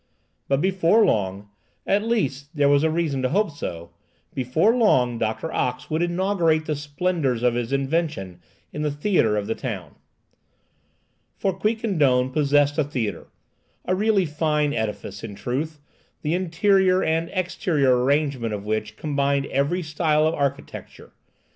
But before long,—at least there was reason to hope so,—before long Doctor Ox would inaugurate the splendours of his invention in the theatre of the town. For Quiquendone possessed a theatre—a really fine edifice, in truth—the interior and exterior arrangement of which combined every style of architecture.